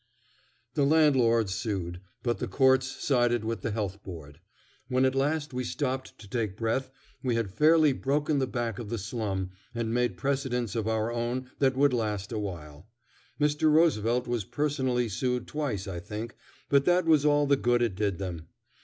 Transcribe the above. The landlords sued, but the courts sided with the Health Board. When at last we stopped to take breath we had fairly broken the back of the slum and made precedents of our own that would last a while. Mr. Roosevelt was personally sued twice, I think, but that was all the good it did them.